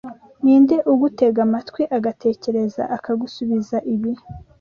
Ninde ugutega amatwi agatekereza, akagusubiza ibi: